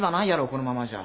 このままじゃ。